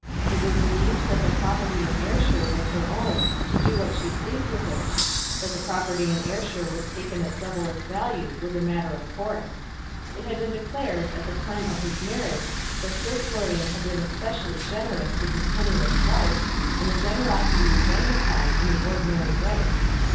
It was believed that the property in Ayrshire was her own, to do what she pleased with it. That the property in Ayrshire was taken at double its value was a matter of course. It had been declared, at the time of his marriage, that Sir Florian had been especially generous to his penniless wife, and the generosity was magnified in the ordinary way.